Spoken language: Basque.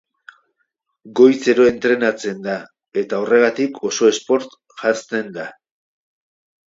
Goizero entrenatzen da, eta horregatik oso sport janzten da.